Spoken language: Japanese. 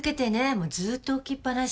もうずっと置きっぱなし。